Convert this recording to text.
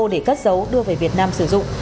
để cất dấu đưa về việt nam sử dụng